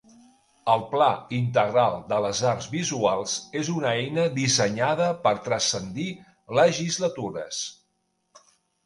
El Pla Integral de les Arts Visuals és una eina dissenyada per transcendir legislatures.